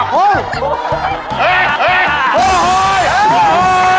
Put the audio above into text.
เฮ้ยโหโฮย